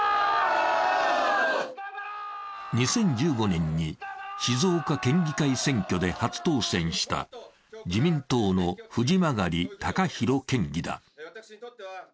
２０１５年に静岡県議会選挙で初当選した自民党の藤曲敬宏県議だ。